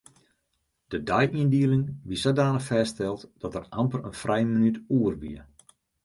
De deiyndieling wie sadanich fêststeld dat der amper in frije minút oer wie.